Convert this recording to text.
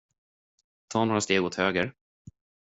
Ta några steg åt höger.